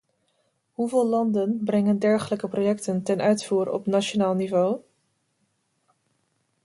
Hoeveel landen brengen dergelijke projecten ten uitvoer op nationaal niveau?